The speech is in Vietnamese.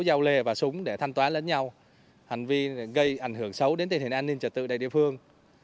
dao lề và súng để thanh toán lẫn nhau hành vi gây ảnh hưởng xấu đến tình hình an ninh trật tự đại địa phương